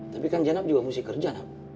tapi kan jenap juga mesti kerja naf